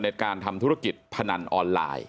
ในการทำธุรกิจพนันออนไลน์